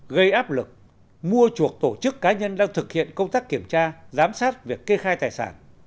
gây áp lực mua chuộc tổ chức cá nhân đang thực hiện công tác kiểm tra giám sát việc kê khai tài sản